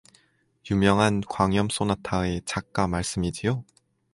유명한 광염 소나타의 작가 말씀이지요?"